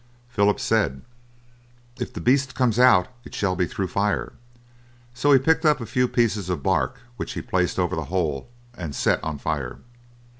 Philip said, "If the beast comes out it shall be through fire," so he picked up a few pieces of bark which he placed over the hole, and set on fire.